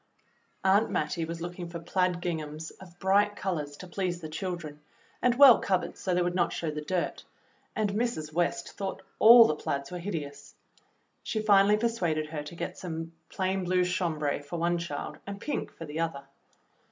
Aunt Mattie was looking for plaid ginghams of bright colors to please the children, and well covered so they would not show the dirt, and Mrs. West thought all the plaids were hideous. She finally per suaded her to get some plain blue chambray for one child and pink for the other.